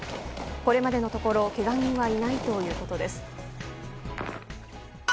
これまでのところけが人はいないということです。